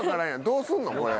どうすんのこれ？